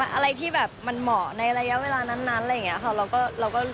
อะไรที่แบบมันเหมาะในระยะเวลานั้นอะไรอย่างนี้ค่ะ